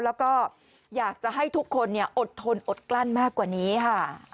แล้วก็อยากจะให้ทุกคนอดทนอดกลั้นมากกว่านี้ค่ะ